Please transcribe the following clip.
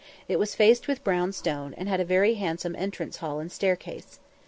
It was faced with brown stone, and had a very handsome entrance hall and staircase.